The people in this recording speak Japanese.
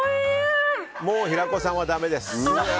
もう平子さんはだめです。